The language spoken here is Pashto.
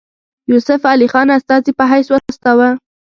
یوسف علي خان استازي په حیث واستاوه.